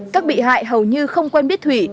các bị hại hầu như không quen biết thủy